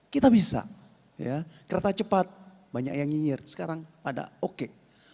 kita bisa ya kereta cepat banyak yang nyinyir sekarang pada oke